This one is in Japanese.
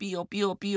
ピヨ。